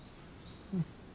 うん。